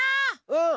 うん！